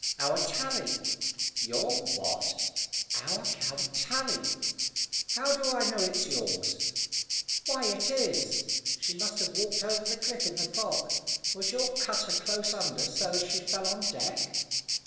"Our Tally." "Your what?" "Our cow, Tally." "How do I know it's yours?" "Why, it is. She must have walked over the cliff in the fog. Was your cutter close under so as she fell on deck?"